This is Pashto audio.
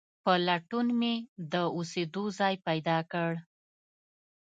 په لټون مې د اوسېدو ځای پیدا کړ.